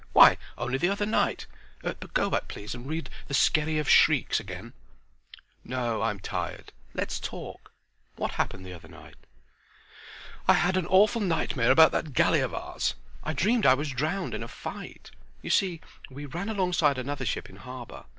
Why only the other night—But go back please and read 'The Skerry of Shrieks' again." "No, I'm tired. Let's talk. What happened the other night?" "I had an awful nightmare about that galley of ours. I dreamed I was drowned in a fight. You see we ran alongside another ship in harbor.